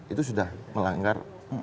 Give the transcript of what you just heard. itu sudah melanggar